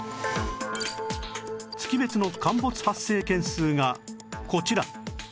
月別の陥没発生件数がこちら